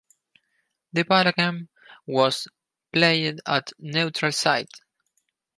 The ballgame was played at neutral site.